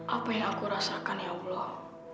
apa yang aku rasakan ya allah